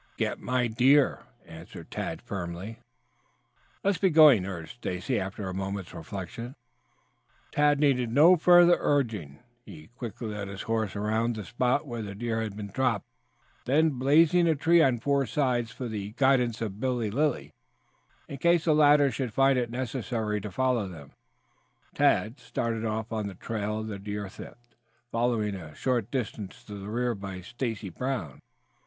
"Get my deer," answered Tad firmly. "Let's be going," urged Stacy after a moment's reflection. Tad needed no further urging. He quickly led his horse around the spot where the deer had been dropped, then blazing a tree on four sides for the guidance of Billy Lilly in case the latter should find it necessary to follow them, Tad started off on the trail of the deer thief, followed a short distance to the rear by Stacy Brown.